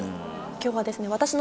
今日はですね。